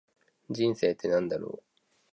人生って何だろう。